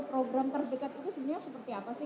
program terdekat itu sebenarnya seperti apa sih